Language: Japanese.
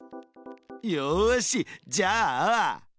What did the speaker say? よしじゃあ。